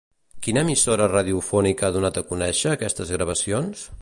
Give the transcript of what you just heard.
Quina emissora radiofònica ha donat a conèixer aquestes gravacions?